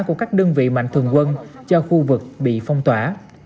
của các đơn vị mạnh thường quân cho khu vực bị phong tỏa